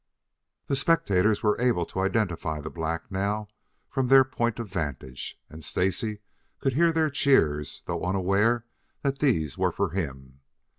The spectators were able to identify the black now from their point of vantage, and Stacy could hear their cheers, though unaware that these were for him.